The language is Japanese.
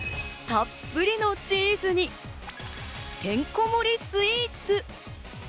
たっぷりのチーズに、てんこ盛りスイーツ。